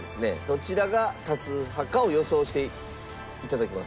どちらが多数派かを予想して頂きます。